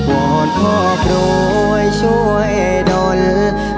ว้อนพ่อครวยช่วยดนต์